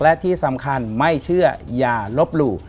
และที่สำคัญไม่เชื่ออย่าลบหลู่